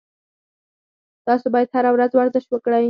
تاسو باید هر ورځ ورزش وکړئ